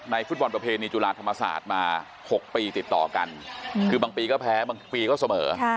ฟุตบอลประเพณีจุฬาธรรมศาสตร์มา๖ปีติดต่อกันคือบางปีก็แพ้บางปีก็เสมอ